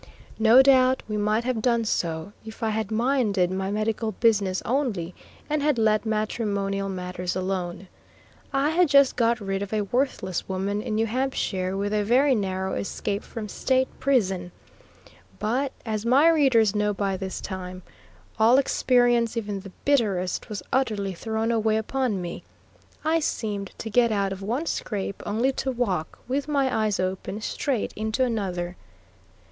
No doubt we might have done so, if I had minded my medical business only, and had let matrimonial matters alone. I had just got rid of a worthless woman in New Hampshire with a very narrow escape from State prison. But, as my readers know by this time, all experience, even the bitterest, was utterly thrown away upon me; I seemed to get out of one scrape only to walk, with my eyes open, straight into another.